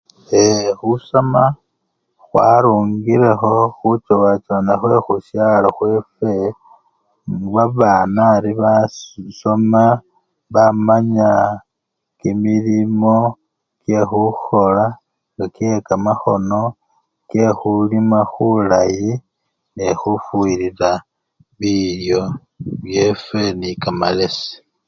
Eee! khusoma khwarungilekho khuchowachowana khwekhusyalo khwefwe babana ari basi!si! basoma bamanya kimilimo kyekhukhola nga kyekamakhono, kyekhulima khulayi nende khufuyilila bilyo byefwe nekamalesi.